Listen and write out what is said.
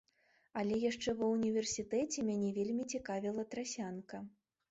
Але яшчэ ва ўніверсітэце мяне вельмі зацікавіла трасянка.